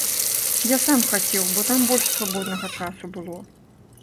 Я сам хацеў, бо там больш свабоднага часу было.